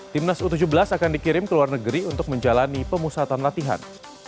timnas u tujuh belas akan dikirim ke luar negeri untuk menjalani pemusatan latihan